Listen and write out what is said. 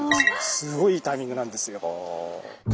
すごいいいタイミングなんですよ。